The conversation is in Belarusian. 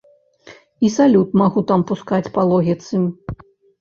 І салют магу там пускаць па логіцы.